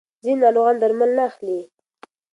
ځینې ناروغان درمل نه اخلي.